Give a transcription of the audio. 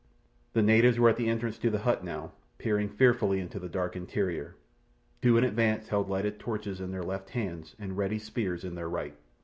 The natives were at the entrance to the hut now, peering fearfully into the dark interior. Two in advance held lighted torches in their left hands and ready spears in their right.